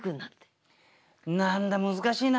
何だ難しいな。